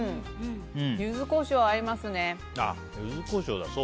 ユズコショウ、合いますね。